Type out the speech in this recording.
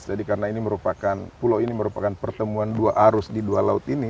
jadi karena ini merupakan pulau ini merupakan pertemuan dua arus di dua laut ini